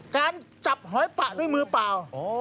การจับหอยปะด้วยมือเปล่า